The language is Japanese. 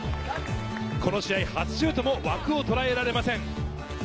この試合、初シュートも枠をとらえられません。